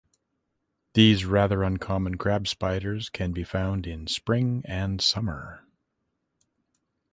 These rather uncommon crab spiders can be found in spring and summer.